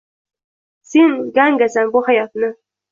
Sen Gangasan, bu hayotni